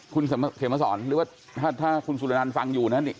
คุณเขมสอนหรือว่าถ้าคุณสุรนันต์ฟังอยู่นะนี่